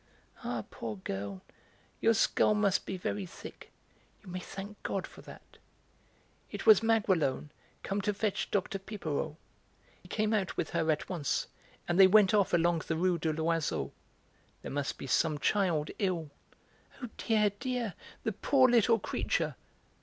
"Ah, poor girl, your skull must be very thick; you may thank God for that. It was Maguelone come to fetch Dr. Piperaud. He came out with her at once and they went off along the Rue de l'Oiseau. There must be some child ill." "Oh dear, dear; the poor little creature!"